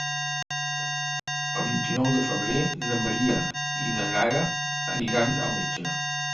El vint-i-nou de febrer na Maria i na Nara aniran al metge.